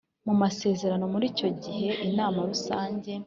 mu masezerano Muri icyo gihe Inama rusange